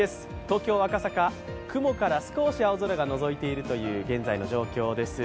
東京・赤坂雲から少し青空がのぞいているという現在の状況です。